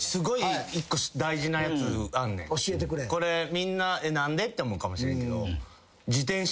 みんな「何で？」って思うかもしれんけど。